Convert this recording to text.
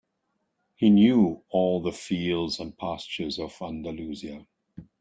He knew all the fields and pastures of Andalusia.